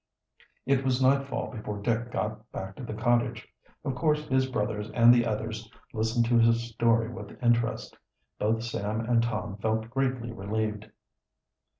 It was nightfall before Dick got back to the cottage. Of course his brothers and the others listened to his story with interest. Both Sam and Tom felt greatly relieved.